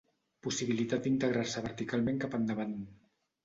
Possibilitat d'integrar-se verticalment cap endavant.